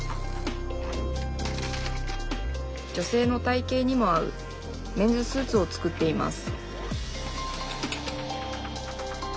女性の体形にも合うメンズスーツを作っています